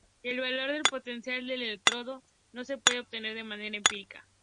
El valor del potencial de electrodo no se puede obtener de manera empírica.